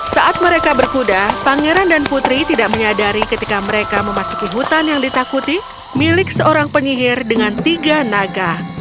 saat mereka berkuda pangeran dan putri tidak menyadari ketika mereka memasuki hutan yang ditakuti milik seorang penyihir dengan tiga naga